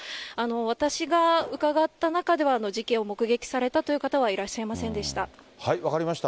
私が伺った中では、事件を目撃されたという方はいらっしゃいませ分かりました。